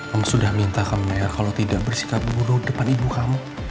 om sudah minta ke mel kalau tidak bersikap buruk depan ibu kamu